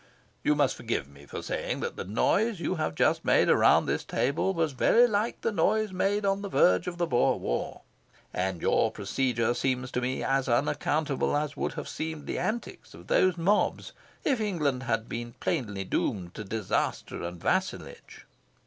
You must forgive me for saying that the noise you have just made around this table was very like to the noise made on the verge of the Boer War. And your procedure seems to me as unaccountable as would have seemed the antics of those mobs if England had been plainly doomed to disaster and to vassalage.